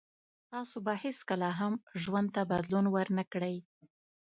تاسو به هیڅکله هم ژوند ته بدلون ور نه کړی